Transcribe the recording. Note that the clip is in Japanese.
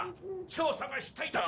調査がしたいだけ。